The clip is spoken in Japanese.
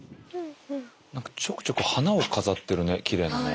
何かちょくちょく花を飾ってるねきれいなね。